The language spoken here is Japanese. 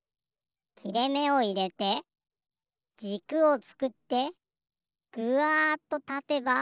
きれめをいれてじくをつくってぐわっとたてば。